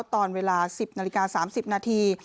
ตอนเวลา๑๐นาฬิกา๓๐นาที